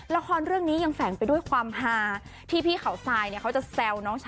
ละครเรื่องนี้ยังแฝงไปด้วยความฮาที่พี่เขาทรายเนี่ยเขาจะแซวน้องชาย